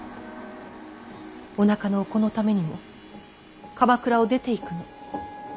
おなかのお子のためにも鎌倉を出ていくの。